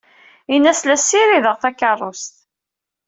Ini-as la ssirideɣ takeṛṛust.